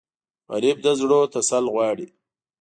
غریب د زړونو تسل غواړي